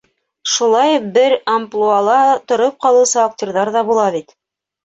Шулай бер амплуала тороп ҡалыусы актерҙар ҙа була бит.